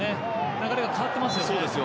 流れが変わっていますね。